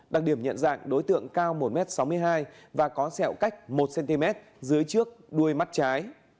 đặc điểm nhận dạng đối tượng cao một m sáu mươi hai và có sẹo cách một cm dưới trước đuôi mắt trái